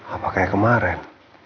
apa kayak kemarin